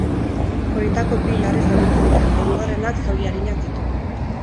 Horietako bi larri zauritu dira eta hirugarrenak zauri arinak ditu.